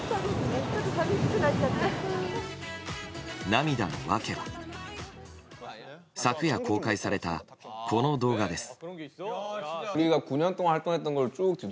涙の訳は昨夜公開されたこの動画です。